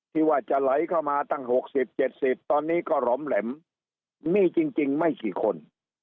ที่ว่าจะไหลเข้ามาตั้ง๖๐๗๐ตอนนี้ก็หล่อมแหลมมีจริงไม่กี่คน